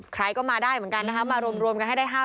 ใครก็มาได้เหมือนกันนะคะมารวมกันให้ได้๕๐๐